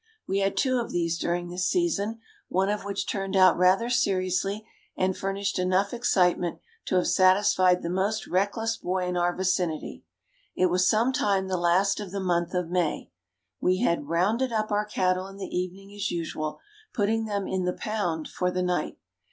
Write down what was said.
We had two of these during this season, one of which turned out rather seriously and furnished enough excitement to have satisfied the most reckless boy in our vicinity. It was some time the last of the month of May. We had "rounded up" our cattle in the evening as usual, putting them in the "pound" for the night.